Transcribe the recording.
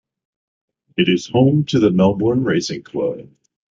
It is home to the Melbourne Racing Club.